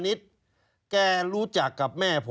ชีวิตกระมวลวิสิทธิ์สุภาณฑ์